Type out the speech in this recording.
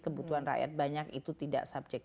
kebutuhan rakyat banyak itu tidak subjek